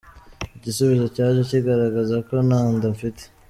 Igisubizo cyaje kigaragaza ko nta nda mfite.